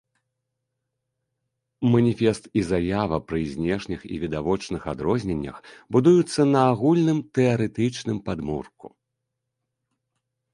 Маніфест і заява пры знешніх і відавочных адрозненнях, будуюцца на агульным тэарэтычным падмурку.